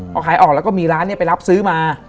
พอขายออกแล้วก็มีร้านไปรับซื้อมา